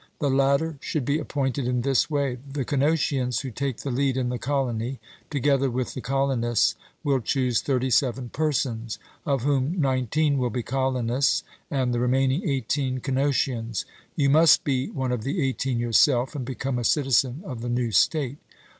The latter should be appointed in this way: The Cnosians, who take the lead in the colony, together with the colonists, will choose thirty seven persons, of whom nineteen will be colonists, and the remaining eighteen Cnosians you must be one of the eighteen yourself, and become a citizen of the new state.